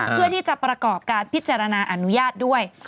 เพื่อที่จะประกอบการพิจารณาอนุญาตด้วย